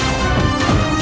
aku akan menang